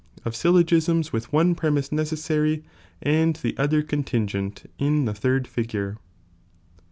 — Of SyUogisms with one Premise necemtry^andthe other contingent in the third Figure.